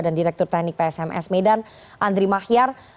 dan direktur teknik psms medan andri mahyar